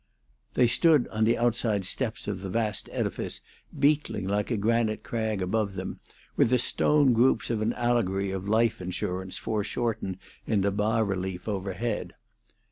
They stood on the outside steps of the vast edifice beetling like a granite crag above them, with the stone groups of an allegory of life insurance foreshortened in the bas relief overhead.